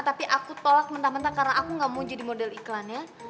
tapi aku tolak mentah mentah karena aku gak mau jadi model iklannya